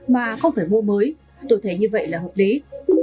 mà không phải mua mới tôi thấy như vậy là hợp lý